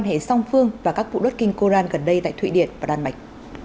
nói về quan hệ song phương và các vụ đốt kinh quran gần đây tại thụy điển và đan mạch